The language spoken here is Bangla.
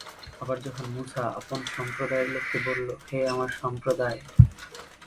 আর যখন মূসা আপন সম্প্রদায়ের লোককে বলল, হে আমার সম্প্রদায়!